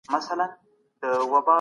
غیرت د افغانانو په وینه کي اخښل سوی دی.